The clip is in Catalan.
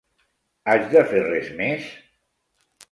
Haig de fer res més?